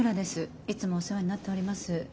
いつもお世話になっております。